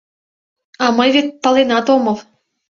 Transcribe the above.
А мый вет паленат омыл!